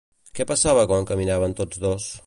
Què passava quan caminaven tots dos?